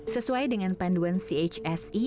sesuai dengan panduan chsi